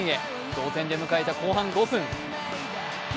同点で迎えた後半５分。